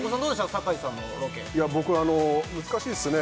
酒井さんのロケいや僕あの難しいっすね